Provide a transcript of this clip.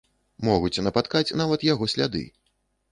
Могуць напаткаць нават яго сляды.